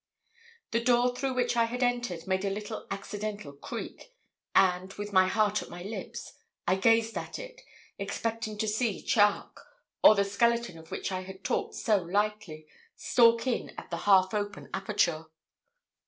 The door through which I had entered made a little accidental creak, and, with my heart at my lips, I gazed at it, expecting to see Charke, or the skeleton of which I had talked so lightly, stalk in at the half open aperture.